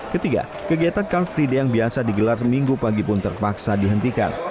ketiga kegiatan kalfride yang biasa digelar minggu pagi pun terpaksa dihentikan